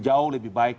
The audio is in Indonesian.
jauh lebih baik